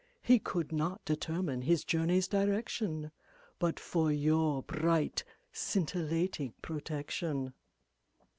He could not determine his journey's direction But for your bright scintillating protection.